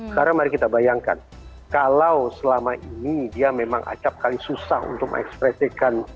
sekarang mari kita bayangkan kalau selama ini dia memang acapkali susah untuk mengekspresikan